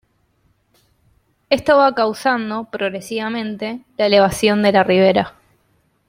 Esto va causando, progresivamente, la elevación de la ribera.